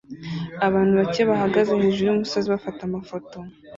Abantu bake bahagaze hejuru yumusozi bafata amafoto